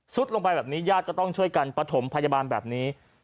ลงไปแบบนี้ญาติก็ต้องช่วยกันประถมพยาบาลแบบนี้